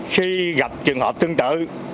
khi gặp trường hợp tương tự